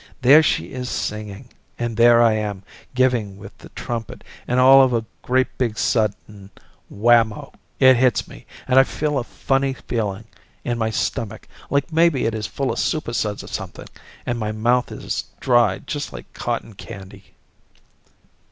"There she is singing, and there I am giving with the trumpet, and all of a great big sudden whammo! it hits me, and I feel a funny feeling in my stomach, like maybe it is full of supersuds or something, and my mouth is dry just like cotton candy."